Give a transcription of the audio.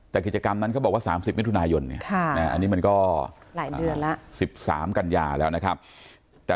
แต่กิจกรรมนั้นเขาบอกว่า๓๐นิทุนายนอันนี้มันก็๑๓กันยาแต่รุ่นน้องเขายืนยันแล้วไม่มี